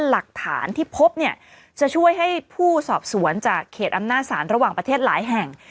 หลักฐานที่พบเนี่ยจะช่วยให้ผู้สอบสวนจากเขตอำนาจศาลระหว่างประเทศหลายแห่ง